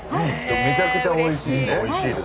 めちゃくちゃおいしいね。